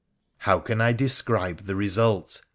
How can I describe the result